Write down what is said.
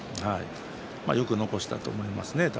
よく残したと思いますね宝